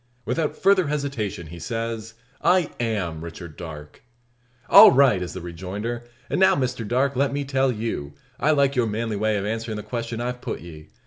Without further hesitation, he says "I am Richard Darke." "All right!" is the rejoinder. "And now, Mr Darke, let me tell you, I like your manly way of answerin' the question I've put ye.